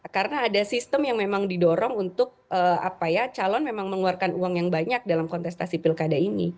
karena ada sistem yang memang didorong untuk apa ya calon memang mengeluarkan uang yang banyak dalam kontestasi pilkada ini